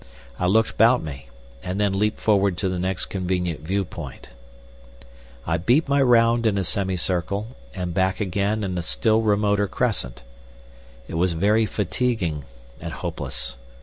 I looked about me, and then leapt forward to the next convenient view point. I beat my way round in a semicircle, and back again in a still remoter crescent. It was very fatiguing and hopeless.